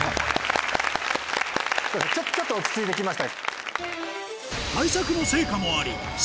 ちょっと落ち着いて来ました。